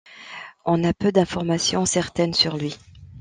On a peu d'informations certaines sur lui.